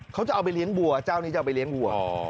เขาจะเอาไปเลี้ยงวัวเจ้านี้จะเอาไปเลี้ยงวัว